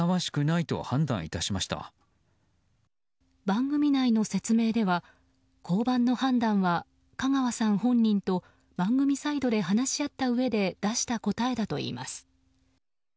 番組内の説明では降板の判断は香川さん本人と番組サイドで話し合ったうえで出した答えだといいます。